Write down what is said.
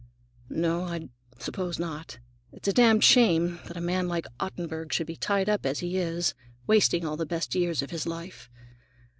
"No, I suppose not. It's a damned shame that a man like Ottenburg should be tied up as he is, wasting all the best years of his life.